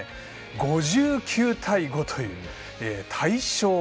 ５９対５という、大勝。